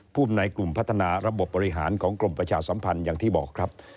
ภูมิในกลุ่มพัฒนาระบบบบริหารของกรมประชาสัมพันธ์อย่างที่บอกครับ